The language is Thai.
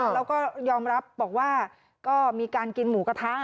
แล้วก็ยอมรับบอกว่าก็มีการกินหมูกระทะ